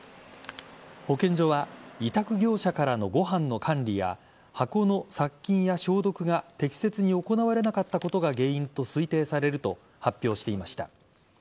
保健所は委託業者からのご飯の管理や箱の殺菌や消毒が適切に行われなかったことが原因と推定されると発表していました。